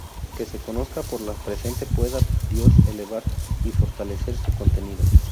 Que se conozca por la presente-¡pueda Dios elevar y fortalecer su contenido!